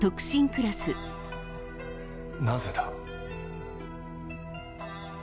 なぜだ。